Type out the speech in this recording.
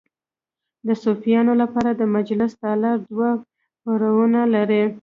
د صوفیانو لپاره د مجلس تالار دوه پوړونه لري.